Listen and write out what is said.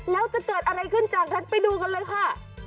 แล้วจะเกิดอะไรขึ้นจากนั้นไปดูกันเลยค่ะ